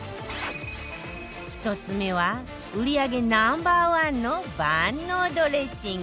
１つ目は売り上げ Ｎｏ．１ の万能ドレッシング